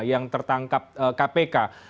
yang tertangkap kpk